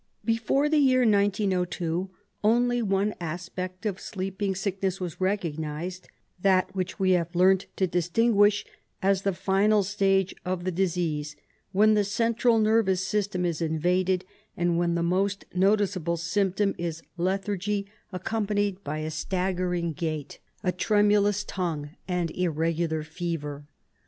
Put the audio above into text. Before the year 1902 only one aspect of sleeping sick ness was recognised, that which we have learnt to distin guish as the final stage of the disease, when the central nervous system is invaded, and when the most noticeable symptom is lethargy, accompanied by a staggering gait, SLEEPING SICKNESS 17 a tremulous tongue, and irregular fever.